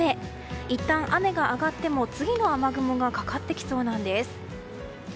いったん雨が上がっても次の雨雲がかかってきそうなんです。